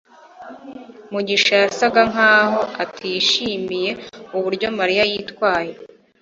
mugisha yasaga nkaho atishimiye uburyo mariya yitwaye